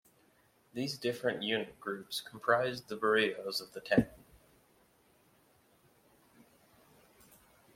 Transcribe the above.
These different unit groups comprised the barrios of the town.